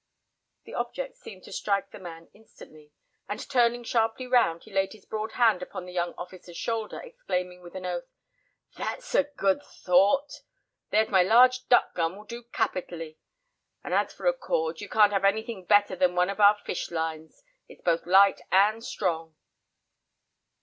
The object seemed to strike the man instantly, and turning sharply round, he laid his broad hand upon the young officer's shoulder, exclaiming, with an oath, "That's a good thought! There's my large duck gun will do capitally; and as for a cord, you can't have anything better than one of our fish lines. It's both light and strong."